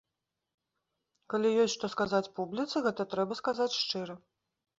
Калі ёсць, што сказаць публіцы, гэта трэба сказаць шчыра.